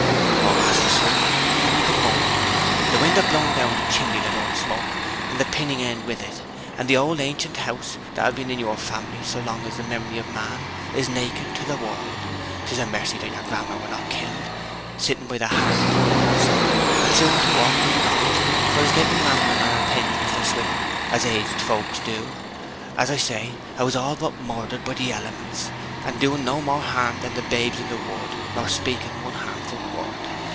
'O Master Swithin, can ye come home! The wind have blowed down the chimley that don't smoke, and the pinning end with it; and the old ancient house, that have been in your family so long as the memory of man, is naked to the world! It is a mercy that your grammer were not killed, sitting by the hearth, poor old soul, and soon to walk wi' God, for 'a 's getting wambling on her pins, Mr. Swithin, as aged folks do. As I say, 'a was all but murdered by the elements, and doing no more harm than the babes in the wood, nor speaking one harmful word.